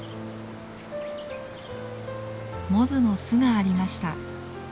モズの巣がありました。